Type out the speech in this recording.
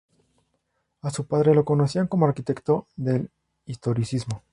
A su padre lo conocían como arquitecto del historicismo.